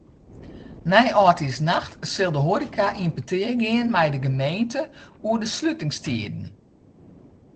Nei âldjiersnacht sil de hoareka yn petear gean mei de gemeente oer de slutingstiden.